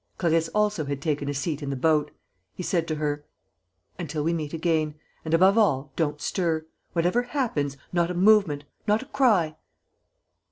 Clarisse also had taken a seat in the boat. He said to her: "Until we meet again. And, above all, don't stir. Whatever happens, not a movement, not a cry."